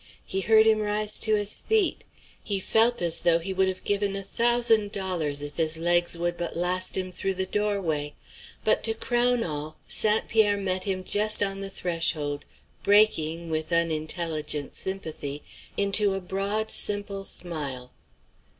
He heard him rise to his feet. He felt as though he would have given a thousand dollars if his legs would but last him through the doorway. But to crown all, St. Pierre met him just on the threshold, breaking, with unintelligent sympathy, into a broad, simple smile.